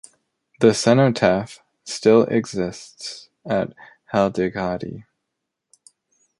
The cenotaph still exists at Haldighati.